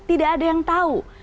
tidak ada yang tahu